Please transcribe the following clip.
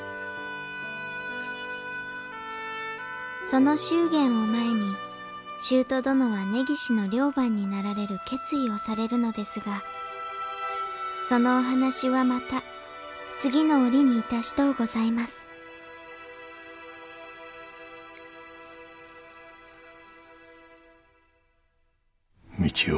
その祝言を前に舅殿は根岸の寮番になられる決意をされるのですがそのお話はまた次の折に致しとうございます三千代。